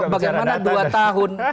bagaimana dua tahun